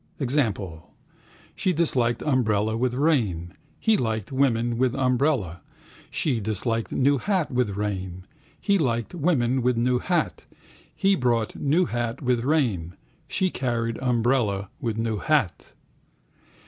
Example? She disliked umbrella with rain, he liked woman with umbrella, she disliked new hat with rain, he liked woman with new hat, he bought new hat with rain, she carried umbrella with new hat.